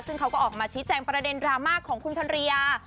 ซึ่งเขาก็ออกมาชี้แจงประเด็นดราม่าของคุณพันรยา